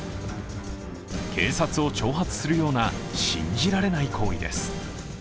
警察を挑発するような信じられない行為です。